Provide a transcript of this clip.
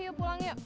yuk pulang yuk